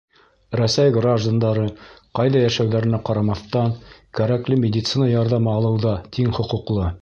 Рәсәй граждандары, ҡайҙа йәшәүҙәренә ҡарамаҫтан, кәрәкле медицина ярҙамы алыуҙа тиң хоҡуҡлы.